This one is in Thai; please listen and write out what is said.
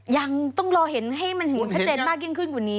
ยังต้องรอเห็นให้มันเห็นชัดเจนมากยิ่งขึ้นกว่านี้